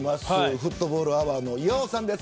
フットボールアワーの岩尾さんです。